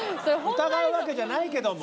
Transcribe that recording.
疑うわけじゃないけども。